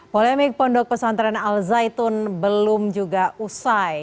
polemik pondok pesantren al zaitun belum juga usai